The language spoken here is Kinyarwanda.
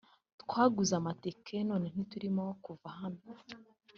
Twaguze amatike none nti turimo kuva hano